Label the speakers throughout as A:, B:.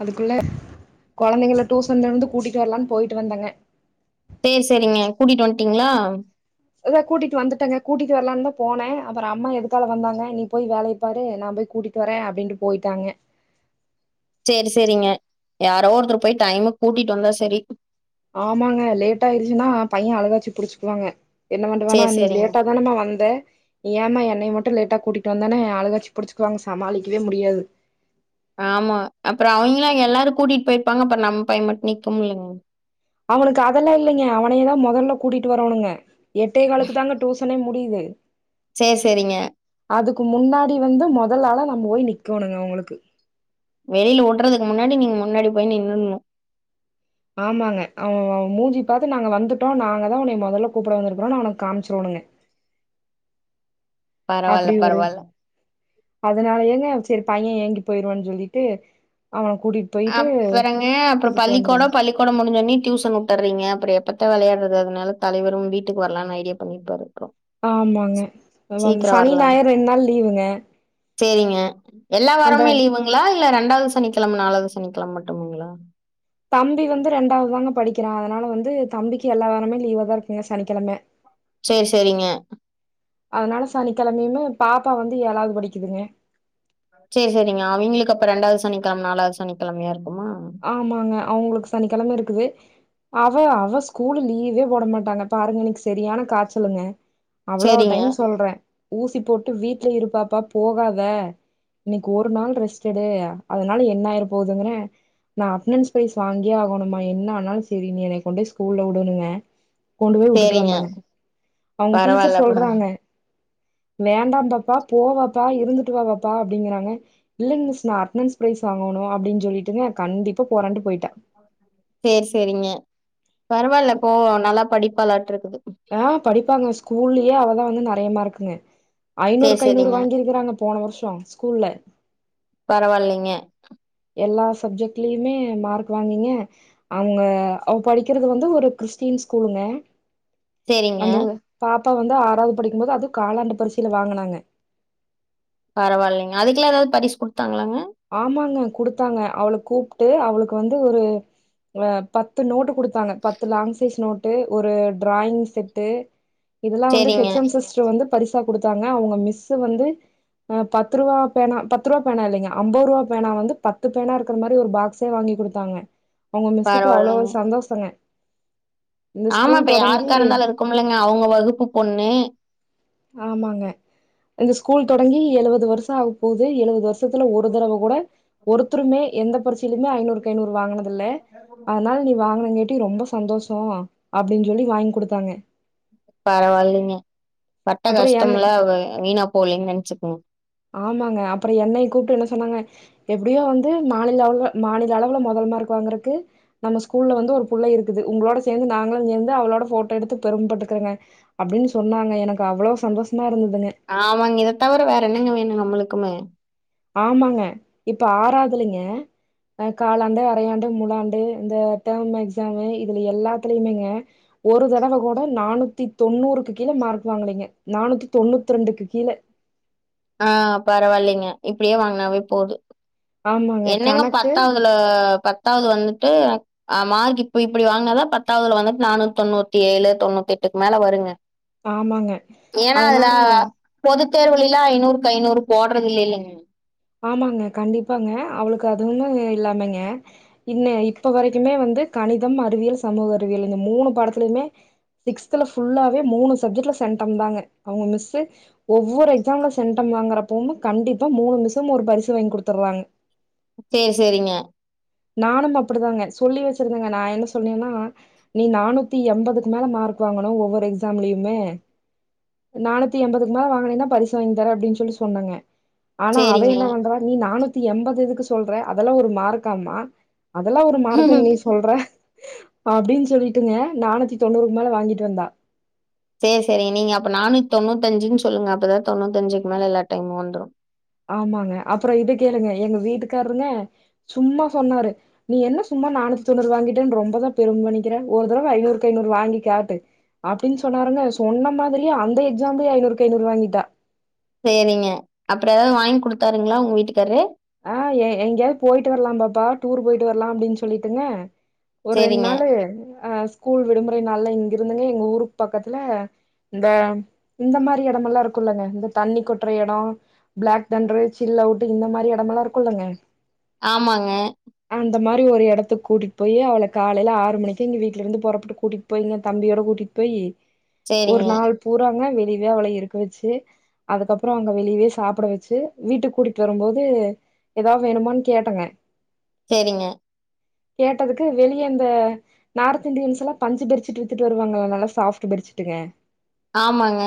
A: அதுக்குள்ள கொழந்தைங்கள டூசன்ல இருந்து கூட்டிட்டு வரலான் போயிட்டு வந்தேங்க
B: சேரி சேரிங்க கூட்டிட்டு வந்ட்டீங்ளா
A: இதோ கூட்டிட்டு வந்துட்டேங்க கூட்டிட்டு வரலான்தா போனே அப்பற அம்மா எதுக்கால வந்தாங்க நீ போய் வேலய பாரு நா போய் கூட்டிட்டு வரே அப்டின்ட்டு போயிட்டாங்க
B: சேரி சேரிங்க யாரோ ஒருத்தரு போய் டைமு கூட்டிட்டு வந்தா செரி
A: ஆமாங்க லேட்டா ஆயிருச்சுன்னா பைய்ய அழுகாச்சி புடிச்சிக்குவாங்க என்ன பண்ணுவானா
B: சேரி
A: நீ
B: சேரிங்க.
A: லேட்டா தானமா வந்தே நீ ஏமா என்னைய மட்டு லேட்டா கூட்டிட்டு வந்தேனு அழுகாச்சி புடிச்சிக்குவாங்க சமாளிக்கவே முடியாது
B: ஆமா அப்புற அவிங்கல எல்லாரு கூட்டிட்டு போயிருப்பாங்க அப்ப நம்ம பைய்ய மட்டு நிக்குமில்லிங்
A: அவனுக்கு அதெல்லா இல்லைங்க அவனையேதா மொதல்ல கூட்டிட்டு வரோனுங்க எட்டே காலுக்கு தாங்க டூசனே முடியிது
B: சேரி சேரிங்க
A: அதுக்கு முன்னாடி வந்து முதலாளா நம் போய் நிக்கோணுங்க அவுங்களுக்கு
B: வெளில உட்டுறதுக்கு முன்னாடி நீங்க முன்னாடி போய் நின்னுட்னு
A: ஆமாங்க அவுவு மூஞ்சி பாத்து நாங்க வந்துட்டோ நாங்க தா உன்னைய மொதல்ல கூப்புட வந்துருக்குறோனு அவுனுக் காமிச்சிரோணுங்க
B: பரவால்ல
A: அப்டி ஒரு
B: பரவால்ல.
A: அதனாலயேங்க செரி பைய்ய ஏங்கி போயிருவான்னு சொல்லிட்டு அவன கூட்டிட்
B: அப்புறங்க அப்புற பள்ளிக்கோடோ பள்ளி கோடோ முடிஞ்சோன்னி டியூசன் உட்டுறீங்க அப்பற எப்பத்த வெளையாட்றது அதனால தலைவரும் வீட்டுக்கு வரலானு ஐடியா பன்னிருபாரா இருக்கு
A: ஆமாங்க [unintelligible] சனி ஞாயிறு ரெண்டு நாள் லீவுங்க
B: சேரிங்க எல்லா
A: அந்த
B: வாரமே லீவுங்ளா இல்ல ரெண்டாவது சனிக்கெழம நாலாது சனிக்கிழம மட்டும்ங்ளா
A: தம்பி வந்து ரெண்டாவது தாங்க படிக்கிறா அதனால வந்து தம்பிக்கு எல்லா வாரமே லீவாதா இருக்குங்க சனிக்கெழம
B: சேர் சேரிங்க
A: அதனால சனிக்கெழமைய்மு பாப்பா வந்து ஏழாவ்து படிக்குதுங்க
B: சேர் சேரிங்க அவிங்களுக்கு அப்ப ரெண்டாவ்து சனிக்கெழம நாலாவது சனிக்கெழமையா இருக்குமா
A: ஆமாங்க அவுங்களுக்கு சனிக்கெழம இருக்குது அவ அவ ஸ்கூலு லீவே போட மாட்டாங்க பாருங்க இன்னைக்கு செரியான காச்சலுங்க அவ்ளோ
B: சேரிங்க
A: டைம் சொல்றே ஊசி போட்டு வீட்ல இரு பாப்பா போகாத இன்னைக்கு ஒரு நாள் ரெஸ்டு எடு அதனால என்ன ஆயிர போகுதுங்கற நா அட்டனன்ஸ் ப்ரைஸ் வாங்கியே ஆகணுமா என்ன ஆனாலு செரி நீ எனைய கொண்டு போய் ஸ்கூல்ல உடுனுங்கா கொண்டு போய் உட்டுட்டு
B: சேரிங்க
A: வந்தங்க அவுங்க டீச்சர்
B: பரவால்ல பர
A: சொல்றாங்க வேண்டாம் பாப்பா போ வாப்பா இருந்துட்டு வா வாப்பா அப்டிங்கறாங்க இல்லைங்க மிஸ் நா அட்டனன்ஸ் ப்ரைஸ் வாங்கணு அப்டின்னு சொல்லிட்டுங்க கண்டிப்பா போறேன்ட்டு பொயிட்டா
B: செர் செரிங்க பரவால்ல போ நல்லா படிப்பாளாட்டுருக்குது
A: ஆ படிப்பாங்க ஸ்கூல்லயே அவதா வந்து நெறைய மார்க்குங்க
B: சேரி
A: ஐநூறுக்கு ஐநூறு
B: சேரிங்க
A: வாங்கியிருக்கிறாங்க போன வருஷோ ஸ்கூல்ல
B: பரவால்லைங்க
A: எல்லா சப்ஜெக்ட்லயுமே மார்க் வாங்னீங்க அவங்க அவ படிக்கிறது வந்து ஒரு கிறிஸ்டின் ஸ்கூலுங்க
B: சேரிங்க
A: அந்த பாப்பா வந்து ஆறாது படிக்கும்போது அது காலாண்டு பரிச்சைல வாங்குனாங்க
B: பரவால்லைங்க அதுக்குல்லா எதாது பரிசு குடுத்தாங்களாங்க
A: ஆமாங்க குடுத்தாங்க அவள கூப்ட்டு அவளுக்கு வந்து ஒரு அ பத்து நோட்டு குடுத்தாங்க பத்து லாங் சைஸ் நோட்டு ஒரு டிராயிங் செட்டு இதெல்லா வந்து
B: சேரிங்க
A: ஹெச் எம் சிஸ்டர் வந்து பரிசா குடுத்தாங்க அவங்க மிஸ் வந்து அ பத்து ரூவா பேனா பத்து ரூவா பேனா இல்லைங்க அம்போரூவா பேனா வந்து பத்து பேனா இருக்கிற மாரி ஒரு பாக்சு வாங்கி குடுத்தாங்க அவங்க மிஸ்ஸுக்கு அவ்ளோ
B: பரவால்லைங்க
A: சந்தோஷங்க இந்த
B: ஆமா
A: ஸ்கூல்
B: இப்ப யாருக்கா
A: தொடங்கி
B: இருந்தாலு இருக்கும்லங்க அவங்க வகுப்பு பொண்ணு
A: ஆமாங்க இந்த ஸ்கூல் தொடங்கி எழுவது வருஷொ ஆக போது எழுவது வருஷ த்துல ஒரு தடவ கூட ஒருத்தருமே எந்த பரிட்சையிலுமே ஐநூறுக் கைநூறு வாங்கினதில்ல அதனால நீ வாங்கனங்காட்டி ரொம்ப சந்தோஷோ அப்டின் சொல்லி வாங்கி குடுத்தாங்க
B: பரவால்லைங்க பட்ட
A: அப்புறோ என்னை
B: கஷ்டம்லா வெ வீணா போலேனு நெனச்சுக்குங்க
A: ஆமாங்க அப்பறோ என்னைய கூப்ட்டு என்ன சொன்னாங்க எப்டியு வந்து மாநில அளவுல மாநில அளவுல முதல் மார்க் வாங்குறக்கு நம்ம ஸ்கூல்ல வந்து ஒரு புள்ள இருக்குது உங்களோட சேர்ந்து நாங்களு சேர்ந்து அவளோட போட்டோ எடுத்து பெரும பட்டுக்குறோங்க அப்டின்னு சொன்னாங்க எனக்கு அவ்ளோ சந்தோஷமா இருந்ததுங்க
B: ஆமாங்க இத தவிர வேற என்னங்க வேணு நம்மளுக்குமே
A: ஆமாங்க இப்ப ஆறாவ்துலங்க அ காலாண்டு அரையாண்டு முழாண்டு இந்த டேர்ம் எக்ஸாம் இதுல எல்லாத்துலயுமேங்க ஒரு தடவ கூட நானூத்தி தொண்ணூறுக்கு கீழே மார்க் வாங்கலீங்க நானூத்தி தொண்ணூத் ரெண்டுக்கு கீழ
B: ஆ பரவால்லைங்க இப்டியே வாங்கினாவே போது
A: ஆமாங்க
B: என்னங்க
A: கணக்கு
B: பத்தாவ்துல பத்தாவ்து வந்துட்டு ஆ மார்க் இப்ப இப்டி வாங்னாதா பத்தாவ்துல வந்துட்டு நானூத்தி தொண்ணூத்தி ஏழு தொண்ணூத்தி எட்டுக்கு மேல வருங்க
A: ஆமாங்க அதனால
B: பொது தேர்வுலைல்லா ஐநூறுக்கு ஐநூறு போடுறது இல்லைலங்க
A: ஆமாங்க கண்டிப்பாங்க அவளுக்கு அதுமே இல்லாமங்கே இல்ல இப்ப வரைக்குமே வந்து கணிதம் அறிவியல் சமூக அறிவியல் இந்த மூணு பாடத்துலயுமே சிக்ஸ்த்ல ஃபுல்லாவே மூணு சப்ஜெக்ட்ல சென்டம் தாங்க அவங்க மிஸ்சு ஒவ்வொரு எக்ஸாம்ல சென்டம் வாங்குரப்பவும் கண்டிப்பா மூணு மிஸ்சும் ஒரு பரிசு வாங்கி குடுத்துறாங்க
B: சேரி செரிங்க
A: நானும் அப்டிதாங்க சொல்லி வச்சிருந்தேங்க நா என்ன சொன்னேன்னா நீ நானூத்தி எம்பதுக்கு மேல மார்க் வாங்கணு ஒவ்வொரு எக்ஸாம்லயுமே நானூத்தி எம்பதுக்கு மேல வாங்குனின்னா பரிசு வாங்கி தரே அப்டின் சொல்லி சொன்னங்க ஆனா அவ
B: சரிங்க.
A: என்ன வண்றா நீ நானூத்தி எம்பது எதுக்கு சொல்ற அதல்லா ஒரு மார்க்காமா அதெல்லா ஒரு மார்க்குன் நீ சொல்றே அப்டின் சொல்லிட்டுங்க நானூத்தி தொண்ணூறுக்கு மேல வாங்கிட்டு வந்தா.
B: சேர் சேரிங்க நீங்க அப்ப நானூத் தொண்ணூத்தஞ்சுன் சொல்லுங்க அப்பதா தொண்ணூத்தஞ்சுக்கு மேல எல்லா டைமு வந்துரு.
A: ஆமாங்க அப்புறோ இத கேளுங்க எங்க வீட்டுக்கார்ருங்க சும்மா சொன்னாரு. நீ என்ன சும்மா நானூத்தி தொண்ணூறு வாங்கிட்டன் ரொம்பதா பெரும பண்ணிக்கிற ஒரு தடவ ஐநூறுக்கு ஐநூறு வாங்கி காட்டு அப்டின் சொன்னாருங்க சொன்ன மாதிரியே அந்த எக்ஸாம்லியு ஐநூறுக்கு ஐநூறு வாங்கிட்டா.
B: சேரிங்க அப்ற எதாவது வாய்ங் குடுத்தாருங்ளா உங்க வீட்டுக்கார்ரு.
A: ஆ எ எங்யாவ்து போயிட்டு வர்லாம் பாப்பா டூரு போய்ட்டு வர்லா அப்டின் சொல்லிட்டுங்க ஒ ரெண்
B: சரிங்க.
A: நாளு அ ஸ்கூல் விடுமுறை நாள்ல இங்கிருந்துங்க எங்க ஊருக் பக்கத்ல இந்த இந்த மாரி எடமல்லா இருக்குல்லங்க இந்த தண்ணி கொட்ற எடொ ப்ளாக் தண்ட்ரு சில் அவுட்டு இந்த மாரி எடமல்லா இருக்குல்லங்க
B: ஆமாங்க.
A: அந்த மாரி ஒரு எடத்துக் கூட்டிட்டு போயி அவள காலைல ஆறு மணிக்கே இங்க வீட்லருந்து பொறப்ட்டு கூட்டிட் போய்ங்க தம்பியோட கூட்டிட் போயி ஒரு
B: சரிங்க,
A: நாள் பூராங்க வெளியவே அவள இருக்க வெச்சு அதுக்கப்புறோ அங்க வெளியவே சாப்பட வெச்சு வீட்டுக் கூட்டிட்டு வரும் போது எதா வேணுமான் கேட்டங்க.
B: சேரிங்க.
A: கேட்டதுக்கு வெளிய அந்த நார்த் இன்டியன்ஸ் எல்லா பஞ்சு பெர்ச்சிட்டு வித்துட்டு வருவாங்கல்ல நல்லா சாஃப்ட்டு பெர்ச்சிட்டுங்க
B: ஆமாங்க.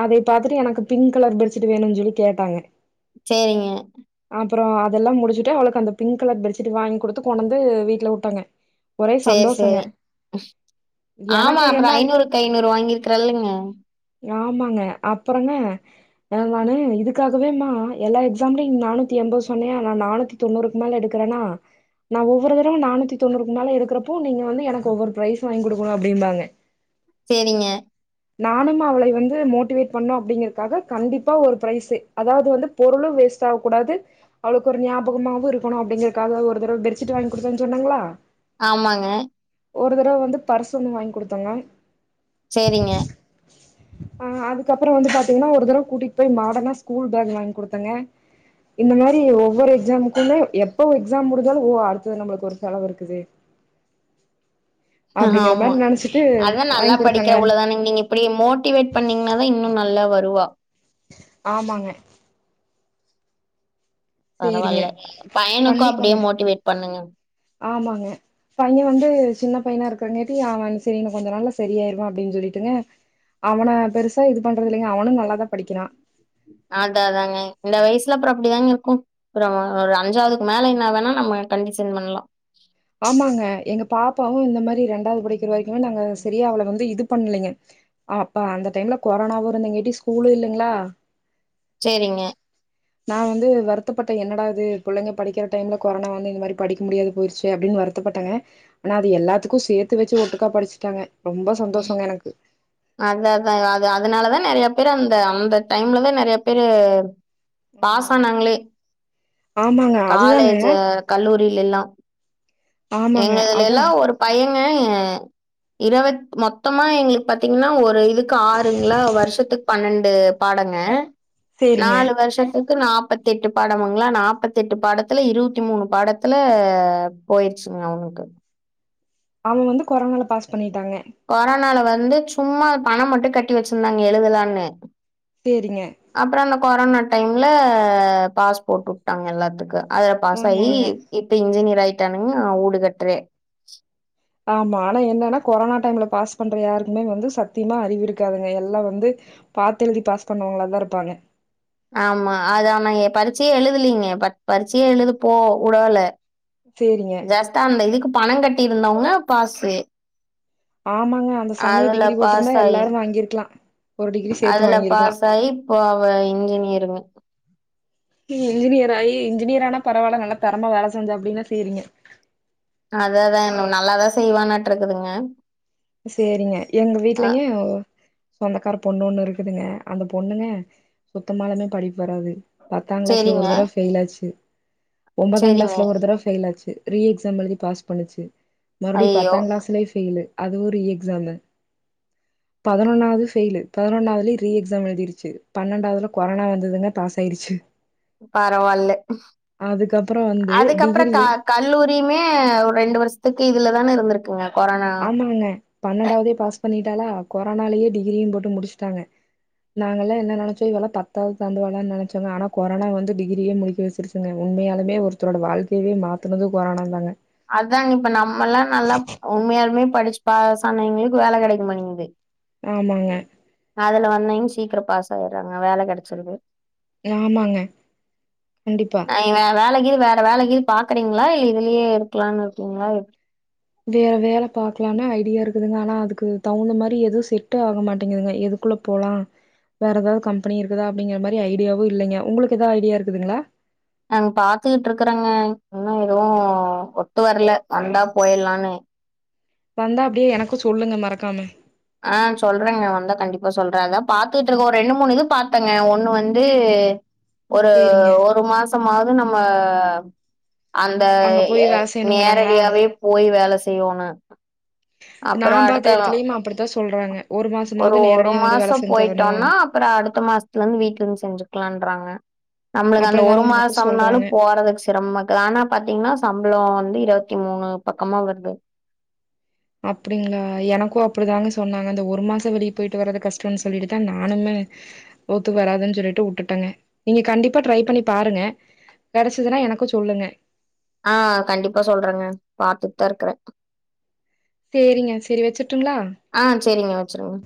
A: அதைய பாத்துட்டு எனக்கு பிங்க் கலர் பெர்ச்சிட்டு வேணுன் சொல்லி கேட்டாங்க.
B: சேரிங்க.
A: அப்புறோ அதெல்லா முடிச்சுட்டு அவுளுக்கு அந்த பிங்க் கலர் பெர்ச்சிட்டு வாய்ங் குடுத்து கொண்டந்து வீட்ல உட்டங்க.
B: சேர் சேரி ஆமா
A: எனக்கு
B: அப்புறோ
A: என்ன
B: ஐநூறுக்கு ஐநூறு வாங்கிருக்றா இல்லங்க.
A: ஆமாங்க அப்பறங்க அ நானு இதுக்காகவேமா எல்லா எக்ஸாம்லய் நானூத்தி எம்பது சொன்னையா நா நானூத்தி தொண்ணூறுக்கு மேல எடுக்குறனா நா ஒவ்வொரு தடவ நானூத்தி தொண்ணூறுக்கு மேல எடுக்குறப்போ நீங்க வந்து எனக்கு ஒவ்வொரு ப்ரைஸ் வாங்கி குடுக்கணு அப்டிம்பாங்க.
B: சேரிங்க.
A: நானும்மு அவளைய வந்து மோட்டிவேட் பண்ணு அப்டிங்கறக்காக கண்டிப்பா ஒரு ப்ரைஸு அதாவது வந்து பொருளு வேஸ் டாவ் கூடாது. அவுளுக்கு ஒரு ஞாபகமாவு இருக்கணு அப்டிங்கறக்காக ஒரு தடவ பெர்ச்சிட்டு வாய்ங் குடுத்தன் சொன்னங்ளா
B: ஆமாங்க.
A: ஒரு தடவ வந்து பர்சு ஒன்னு வாய்ங் குடுத்தங்க.
B: சேரிங்க.
A: அ அதுக்கப்புறோ வந்து பாத்தீங்கன்னா ஒரு தடவ கூட்டிட் போய் மாடனா ஸ்கூல் பேக் வாய்ங் குடுத்தங்க. இந்த மாரி ஒவ்வொரு எக்ஸாம்க்குமே எப்ப ஒ எக்ஸாம் முடிஞ்சாலு ஓ அடுத்தது நம்புளுக்கு ஒரு செலவு இருக்குது அப்படிங்கிற
B: ஆமா
A: மாரி நெனைச்சிட்டு
B: அதா நல்லா
A: வாங்கி குடுத்தங்க
B: படிக்கிற புள்ளதானங் நீங்க இ ப்பிடி மோட்டிவேட் பண்ணீங்ன்னா தா இன்னு நல்லா வருவா.
A: ஆமாங்க. சேரிங்க
B: பரவால்ல பையனுக்கு
A: கண்டிப்பாங்க
B: அப்டியே மோட்டிவேட் பண்ணுங்க.
A: ஆமாங்க. பைய வந்து சின்ன பையனா இருக்றங்கேட்டி அவன் செரி இன்னு கொஞ்ச நாள்ல செரி ஆயிருவா அப்டின் சொல்லிட்டுங்க அவன பெருசா இது பண்றது இல்லைங்க அவனு நல்லாதா படிக்கிறா.
B: ஆதா தாங்க இந்த வயசுல அப்றோ அப்டிதாங்க இர்க்கு அப்பறோ ஒரு அஞ்சாவதுக்கு மேலய்னாதா நம்ம கண்டிசன் பண்லா
A: ஆமாங்க எங்க பாப்பாவு இந்த மாரி ரெண்டாவது படிக்கிற வரைக்குமே நாங்க சரியா அவள வந்து இது பண்லைங்க அப்ப அந்த டைம்ல கொரோனாவு இருந்தங்கட்டி ஸ்கூலு இல்லங்ளா
B: சேரிங்க
A: நா வந்து வருத்தப்பட்டே என்னடா இது புள்ளங்க படிக்கிற டைம்ல கொரோனா வந்து இந்த மாரி படிக்க முடியாது போயிருச் யே அப்டின் வருத்தப்பட்டங்க ஆனா அது எல்லாத்துக்கு சேத்து வச்சு ஒட்டுக்கா படுச்சுட்டாங்க ரொம்ப சந்தோஷங்க எனக்கு
B: அதா அதா அது அதுனாலதா நெறையா பேரு அந்த அந்த டைம்லதா நெறையா பேரு
A: [inaudible]
B: பாஸ் ஆனாங்ளே
A: ஆமாங்க அதுதாங்க
B: காலேஜு கல்லூரிலேல்லா
A: ஆமாங்க அதா
B: எங்கதுலேலா ஒரு பையேங்க இருவத் மொத்தமா எங்களுக்கு பாத்தீங்கன்னா ஒரு இதுக்கு ஆறுங்களா வருஷத்துக் பன்னண்டு பாடங்க
A: சேரிங்க
B: நாலு வருஷத்து கு நாப்பத்தி எட்டு பாடமுங்களா நாப்பத்தி எட்டு பாடத்துல இருவத்தி மூணு பாடத்துல போயிரு சுங்க அவனுக்கு
A: அவெ வந்து கொரோனால பாஸ் பண்ணிட்டாங்க
B: கொரோனால வந்து சும்மா பணம் மட்டு கட்டி வச்சுருந்தாங்க எழுதலான்னு
A: சேரிங்க
B: அப்பறோ அந்த கொரோனா டைம்ல பாஸ் போட்டு வுட்டாங்க எல்லாத்துக்கு அதுல பாஸ் ஆயி
A: ஆமாங்க
B: இப்ப இன்ஜினியர் ஆயிட்டானுங்க ஊடு கட்றே
A: ஆமா ஆனா என்னன்னா கொரோனா டைம்ல பாஸ் பண்ற யாருக்குமே வந்து சத்தியமா அறிவு இருக்காதுங்க எல்லா வந்து பாத்தெழுதி பாஸ் பண்ணவுங்களா தா இருப்பாங்க
B: ஆமா அது ஆனா எ பரிச்சயே எழுதலீங்க பட் பரிச்சயே எழுதப்போ உடல
A: சேரிங்க
B: ஜஸ்ட் அந்த இதுக்கு பணொ கட்டி இருந்தவுங்க பாசு
A: ஆமாங்க அந்த சமய டிகிரி போட்ருந்தா
B: பாஸ் ஆயி
A: எல்லாரு வாங்கிருக்கலா ஒரு டிகிரி சேத்து
B: அதுல
A: வாங்கிருக்கலா
B: பாஸ் ஆயி இப்ப அவெ இன்ஜினியருங்க
A: இ இன்ஜினியர் ஆயி இன்ஜினியரானா பரவால்ல நல்லா தெரமா வேல செஞ்சா அப்டினா சேறீங்க
B: அத தா நல்லாதா செய்வான்ட்டருக்குதுங்க
A: சேரிங்க எங்க வீட்லைங்க சொந்தக்கார பொண்ணு ஒண்ணு இருக்குதுங்க அந்த பொண்ணுங்க சுத்தமாலுமே படிப்பு வராது பத்தாங் கிளாஸ்ல ஒரு
B: சேரிங்க
A: தடவ ஃபெயில் ஆச்சு ஒம்பதாங்
B: சேரிங்க
A: கிளாஸ்ல ஒரு தடவ ஃபெயில் ஆச்சு ரீ எக்ஸாம் எழுதி பாஸ் பண்ணுச்சு மறுபடியு
B: ஐயோ
A: பத்தாங் கிளாஸ்லயு ஃபெய்லு அது ஒரு ரீ எக்ஸாமு பதனொன்னாவது ஃபெய்லு பதனொன்னாவதுலயு ரீ எக்ஸாம் எழுதிருச்சு பன்னன்டாவதுல கொரோனா வந்ததுங்க பாஸ் ஆயிருச்சு
B: பரவால்ல
A: அதுக்கப்புறோ வந்து
B: அதுக்கப்பற
A: டிகிரி
B: கா கல்லூரியுமே ரெண்டு வருஷத்துக்கு இதுல தான இருந்துருக் குங்க கொரானா
A: ஆமாங்க பன்னண்டாவதே பாஸ் பண்ணிட்டாலா கொரானாலயே டிகிரியு போட்டு முடுச்ட்டாங்க நாங்கல்லா என்ன நெனச்சோ இவல்லா பத்தாவது தாண்டுவாலானு நெனச்சோங்க ஆனா கொரானா வந்து டிகிரியே முடிக்க வச்சுருச்சு சுங்க உண்மையாலுமே ஒருத்தரோட வாழ்க்கையவே மாத்துனது கொரானா தாங்க
B: அதாங்க இப்ப நம்மல்லா நல்லா உண்மையாழுமே படுச்சு பாசன்னவைங்களுக்கு வேல கெடக்க மாட்டிங்கிது
A: ஆமாங்க
B: அதுல வந்தவிங் சீக்கிரோ பாஸ் ஆயிர்றாங்க வேல கெடைச்சிருது.
A: ஆமாங்க கண்டிப்பா.
B: நீங்க வே வேல கீது வேற வேல கீது பாக்கறீங்ளா இதுலியே இருக்கலான் இருக்கீங்ளா எப்டி?
A: வேற வேல பாக்கலானு ஐடியா இருக்குதுங்க ஆனா அதுக்கு தவுந்த மாரி எது செட்டு ஆகமாட்டிங்குதுங்க எதுக்குல்ல போலா வேற எதாவ் கம்பெனி இருக்குதா அப்டிங்கற மாரி ஐடியாவு இல்லைங்க. உங்குளுக்கு எதா ஐடியா இருக்குதுங்ளா?
B: நாங் பாத்துகிட்ருக்கறங்க இன்னு எதுவு ஒத்து வரல வந்தா போயில்லானு.
A: வந்தா அப்டியே எனக்கு சொல்லுங்க மறக்காம.
B: ஆ சொல்றங்க வந்தா கண்டிப்பா சொல்ற அதா பாத்துட்ருக் ஒர் ரெண்டு மூணு இது பாத்தங்க ஒன்னு வந்து ஒரு
A: சேரிங்க
B: ஒரு மாசம்மாவ்து நம்ம அந்த
A: அங்க போய்
B: ஏய்
A: வேல செய்யணுங்கறாங்களா
B: நேரடியாவே போய் வேல செய்யோணு.
A: நா பாத்த எடத்துலிமு அப்பிடித்தா சொல்றாங்க ஒரு மாசமாவது நேரடியா வந்து வேல செஞ்சாகணு.
B: அப்புற அடுத்த மாசத்துலந் வீட்லந் செஞ்சுக்கலான்ராங்க. நம்முளுக் அந்த ஒரு
A: அப்படிதாங்க எனக்கு
B: மாசம்னாலு
A: சொல்றாங்க
B: போறதுக் சிரம்மா அது ஆனா பாத்தீங்ன்னா சம்புளோ வந்து இருவத்தி மூணு பக்கமா வருது.
A: அப்பிடிங்ளா எனக்கு அப்டிதாங்க சொன்னாங்க அந்த ஒரு மாசோ வெளிய போயிட்டு வரது கஷ்டன் சொல்லிட்டுதா நானும்மே ஒத்து வராதுன் சொல்லிட்டு உட்டுட்டங்க. நீங்க கண்டிப்பா ட்ரை பண்ணி பாருங்க. கெடச்சுதுனா எனக்கு சொல்லுங்க.
B: ஆ கண்டிப்பா சொல்றங்க பாத்துட்தா இருக்கறே.
A: சேரிங்க சேரி வெச்சிர்ட்டுங்ளா?
B: ஆ சரிங்க வச்சுருங்க.